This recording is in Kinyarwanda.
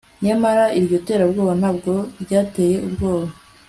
Nyamara iryo terabwoba ntabwo ryateye ubwoba